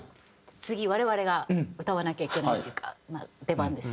次我々が歌わなきゃいけないっていうか出番です。